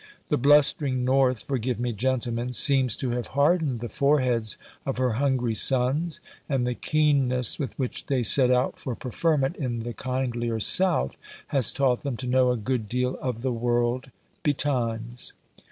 The blustering north forgive me, gentlemen seems to have hardened the foreheads of her hungry sons; and the keenness with which they set out for preferment in the kindlier south, has taught them to know a good deal of the world betimes.